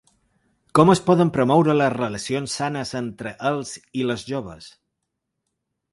Com es poden promoure les relacions sanes entre els i les joves?.